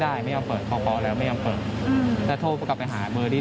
ใช่ครับเค้าเลยไม่ได้เปิด